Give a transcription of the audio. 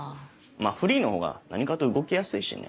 フリーのほうが何かと動きやすいしね。